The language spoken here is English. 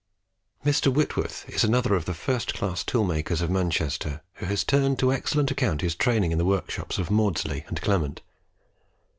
Mr. Whitworth is another of the first class tool makers of Manchester who has turned to excellent account his training in the workshops of Maudslay and Clement.